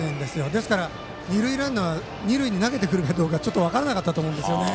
ですから、二塁ランナーは二塁に投げてくるかどうか分からなかったと思います。